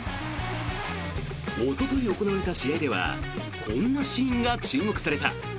おととい行われた試合ではこんなシーンが注目された。